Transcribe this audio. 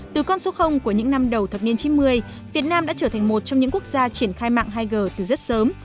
từ con số của những năm đầu thập niên chín mươi việt nam đã trở thành một trong những quốc gia triển khai mạng hai g từ rất sớm